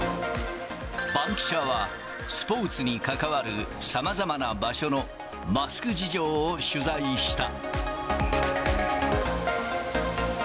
バンキシャは、スポーツに関わるさまざまな場所のマスク事情を取材した。